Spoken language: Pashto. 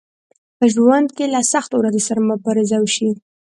په ژوند کې له سختو ورځو سره مبارزه وشئ